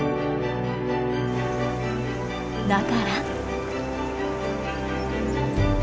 だから。